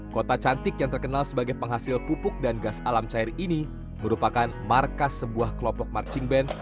kota cantik yang terkenal sebagai penghasil pupuk dan gas alam cair ini merupakan markas sebuah kelompok marching band